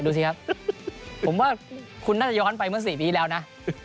ดูสิครับผมว่าคุณน่าจะย้อนไปเมื่อ๔ปีแล้วนะ